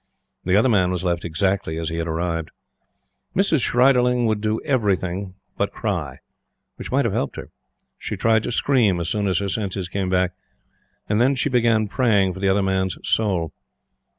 The Other Man was left exactly as he had arrived. Mrs. Schreiderling would do everything but cry, which might have helped her. She tried to scream as soon as her senses came back, and then she began praying for the Other Man's soul.